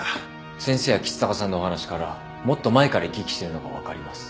先生や橘高さんのお話からはもっと前から行き来してるのが分かります。